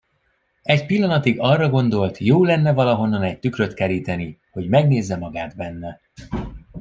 Egy pillanatig arra gondolt, jó lenne valahonnan egy tükröt keríteni, hogy megnézze magát benne.